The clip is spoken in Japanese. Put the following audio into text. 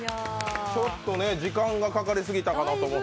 ちょっとね、時間がかかりすぎたかなと。